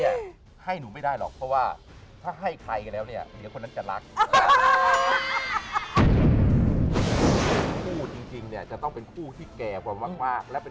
ช่วงนี้จังเป็นคู่ที่แก่ความมาก